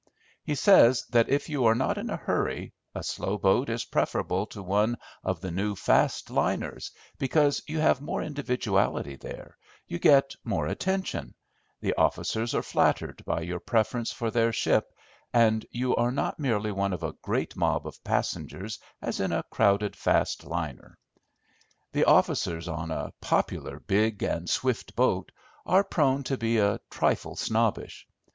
He says that if you are not in a hurry, a slow boat is preferable to one of the new fast liners, because you have more individuality there, you get more attention, the officers are flattered by your preference for their ship, and you are not merely one of a great mob of passengers as in a crowded fast liner. The officers on a popular big and swift boat are prone to be a trifle snobbish.